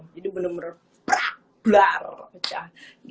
jadi bener bener prak blar kecah